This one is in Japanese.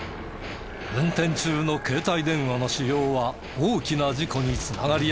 運転中の携帯電話の使用は大きな事故に繋がりやすい。